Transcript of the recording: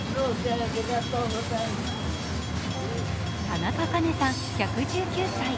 田中カ子さん１１９歳。